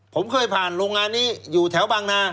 ผมเคยผ่านโรงงานนี้อยู่แถวบางนา